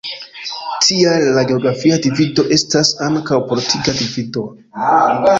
Tial la geografia divido estas ankaŭ politika divido.